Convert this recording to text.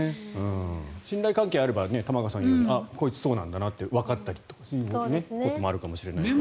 信頼関係あれば玉川さんみたいにあっ、こいつそうなんだってわかったりっていうこともあるかもしれないですね。